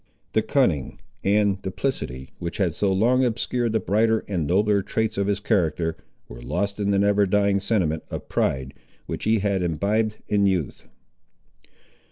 The cunning and duplicity, which had so long obscured the brighter and nobler traits of his character, were lost in the never dying sentiment of pride, which he had imbibed in youth.